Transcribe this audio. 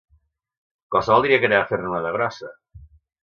Qualsevol diria que anem a fer-ne una de grossa!